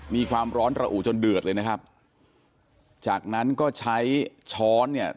มีความร้อนระอุจนเดือดเลยนะครับจากนั้นก็ใช้ช้อนเนี่ย